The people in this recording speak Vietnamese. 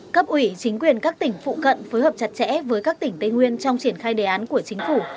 cấp ủy chính quyền các tỉnh phụ cận phối hợp chặt chẽ với các tỉnh tây nguyên trong triển khai đề án của chính phủ